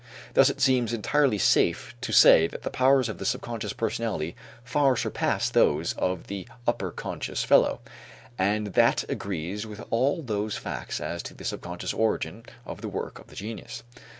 Thus it seems entirely safe to say that the powers of the subconscious personality far surpass those of the upper conscious fellow, and that agrees with all those facts as to the subconscious origin of the work of the genius.